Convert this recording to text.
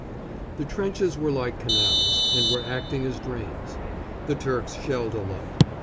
The trenches were like canals, and were acting as drains. The Turks shelled a lot.